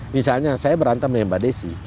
misalnya saya berantem dengan mbak desi